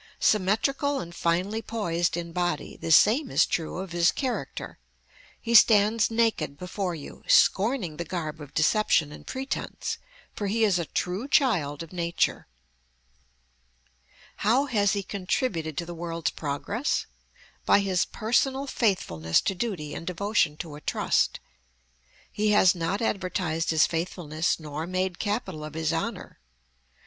Symmetrical and finely poised in body, the same is true of his character. He stands naked before you, scorning the garb of deception and pretence, for he is a true child of nature. How has he contributed to the world's progress? By his personal faithfulness to duty and devotion to a trust. He has not advertised his faithfulness nor made capital of his honor.